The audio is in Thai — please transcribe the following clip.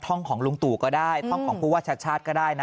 ท่องของลุงตู่ก็ได้ท่องของผู้ว่าชัดก็ได้นะ